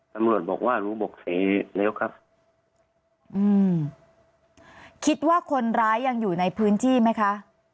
ตำรวจบอกว่ารู้บกศรีแล้วครับอืมคิดว่าคนร้ายยังอยู่ในพื้นที่ไหมคะ